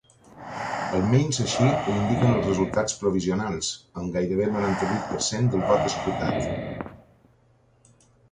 Almenys així ho indiquen els resultats provisionals, amb gairebé el noranta-vuit per cent del vot escrutat.